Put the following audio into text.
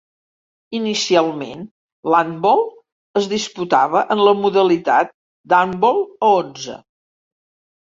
Inicialment l'handbol es disputava en la modalitat d'handbol a onze.